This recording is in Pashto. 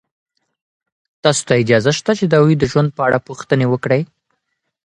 تاسو ته اجازه شته چې د هغوی د ژوند په اړه پوښتنې وکړئ.